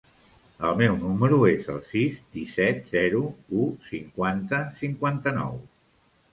El meu número es el sis, disset, zero, u, cinquanta, cinquanta-nou.